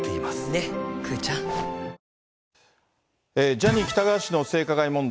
ジャニー喜多川氏の性加害問題。